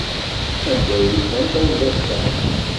Anda ay ufan tawlaft-a?